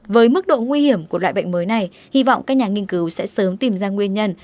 với mức độ nguy hiểm của loại bệnh mới này hy vọng các nhà nghiên cứu sẽ sớm tìm ra nguyên nhân